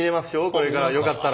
これからよかったら。